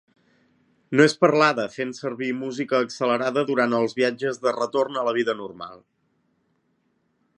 No és parlada, fent servir música accelerada durant els viatges de retorn a la mida normal.